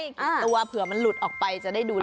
กินตัวเผื่อมันหลุดออกไป